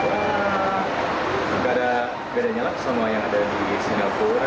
nggak ada bedanya lah sama yang ada di singapura